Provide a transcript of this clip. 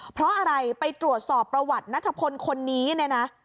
เพราะอะไรไปตรวจสอบประวัตินัทพลคนนี้เนี่ยนะ